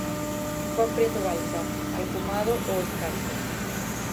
Juan Prieto Balsa, alcumado 'O Escacho'.